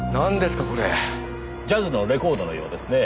ジャズのレコードのようですねぇ。